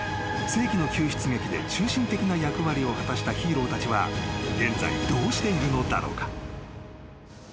世紀の救出劇で中心的な役割を果たしたヒーローたちは現在どうしているのだろうか？］